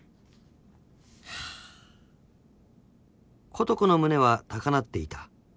［琴子の胸は高鳴っていた］